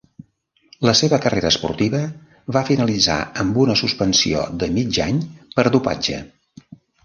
La seva carrera esportiva va finalitzar amb una suspensió de mig any per dopatge.